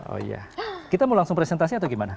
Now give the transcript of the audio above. oh iya kita mau langsung presentasi atau gimana